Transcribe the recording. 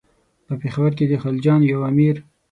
په پېښور کې د خلجیانو یو امیر.